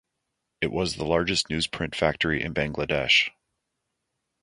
It was the largest newsprint factory in Bangladesh.